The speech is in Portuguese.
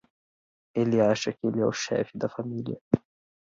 Ele acha que ele é o chefe da família.